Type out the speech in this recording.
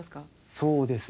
そうですね。